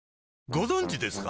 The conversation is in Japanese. ご存知ですか？